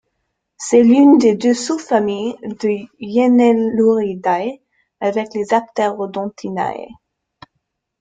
C'est l'une des deux sous-familles de Hyainailouridae avec les Apterodontinae.